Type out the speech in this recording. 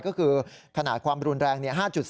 ก็คือขนาดความรุนแรง๕๐